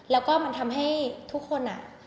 แล้วก็มันทำให้ทุกคน